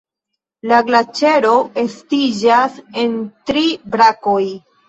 La glaĉero estiĝas en tri brakoj.